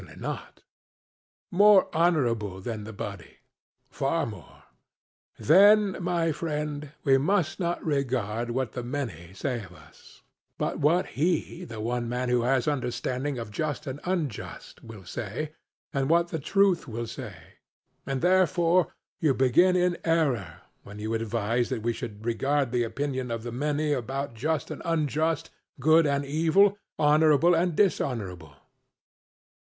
CRITO: Certainly not. SOCRATES: More honourable than the body? CRITO: Far more. SOCRATES: Then, my friend, we must not regard what the many say of us: but what he, the one man who has understanding of just and unjust, will say, and what the truth will say. And therefore you begin in error when you advise that we should regard the opinion of the many about just and unjust, good and evil, honorable and dishonorable.